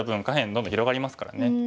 下辺どんどん広がりますからね。